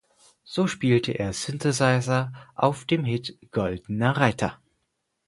So spielte er Synthesizer auf dem Hit "Goldener Reiter".